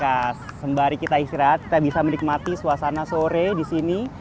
nah sembari kita istirahat kita bisa menikmati suasana sore di sini